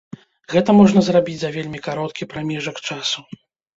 Гэта можна зрабіць за вельмі кароткі прамежак часу.